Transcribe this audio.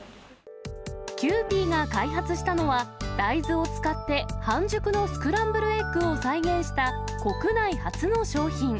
キユーピーが開発したのは、大豆を使って半熟のスクランブルエッグを再現した、国内初の商品。